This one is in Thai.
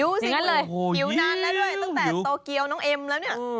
หิวนานแล้วเลยตั้งแต่โตเคียวตั้งแต่น้องเอ็มแล้วเนี่ย